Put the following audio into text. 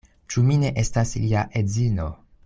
Ĉu mi ne estas lia edzino?